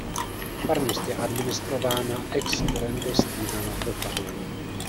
Farnost je administrována ex currendo z Týna nad Vltavou.